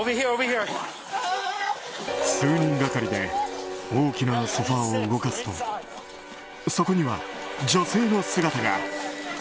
数人がかりで大きなソファを動かすとそこには女性の姿が。